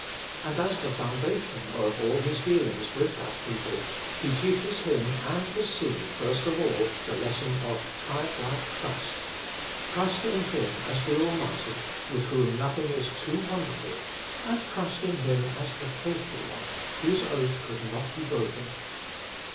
And as the foundation of all His dealings with that people, He teaches him and his seed first of all the lesson of childlike trust trust in Him as the Almighty, with whom nothing is too wonderful, and trust in Him as the Faithful One, whose oath could not be broken.